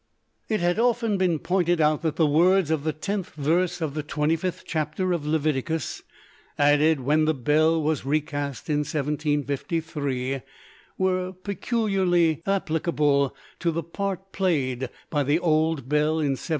It had often been pointed out that the words of the tenth verse of the twenty fifth chapter of Leviticus, added when the bell was recast in 1753, were peculiarly applicable to the part played by the old bell in 1776.